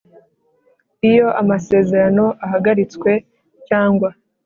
Iyo amasezerano ahagaritswe cyangwa